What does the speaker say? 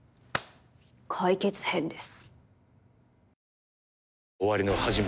解決編です。